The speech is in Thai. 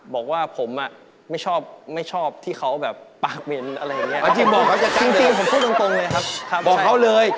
บอกว่าผมแบบไม่ชอบที่เขาแบบปากเหม็นอะไรอย่างเงี้ย